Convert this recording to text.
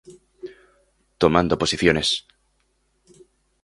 I Tomando posiciones.